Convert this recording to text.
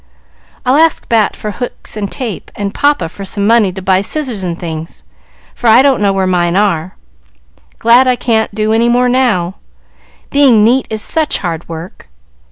"I'll ask Bat for hooks and tape, and papa for some money to buy scissors and things, for I don't know where mine are. Glad I can't do any more now! Being neat is such hard work!"